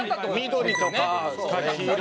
緑とか黄色とか。